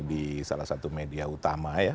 di salah satu media utama ya